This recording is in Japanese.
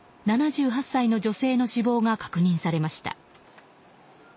７８歳の女性の死亡が確認されました。